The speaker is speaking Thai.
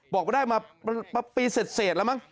บอกว่าได้มาปีเศษละมั้ง